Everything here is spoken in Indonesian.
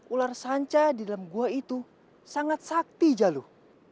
ular sanca di dalam gua itu sangat sakti jalur